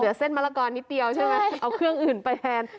เส้นมะละกอนิดเดียวใช่ไหมเอาเครื่องอื่นไปแทน